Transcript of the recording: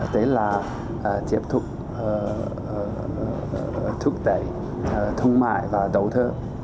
đấy là tiếp tục thúc đẩy thương mại và đầu thơ